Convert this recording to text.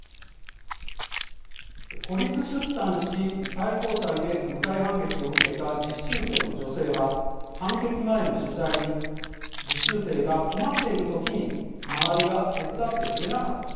孤立出産し最高裁で無罪判決を受けた実習生の女性は判決前の取材に「実習生が困っている時に周りが手伝ってくれなかった。